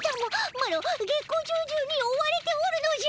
マロ月光町じゅうに追われておるのじゃ。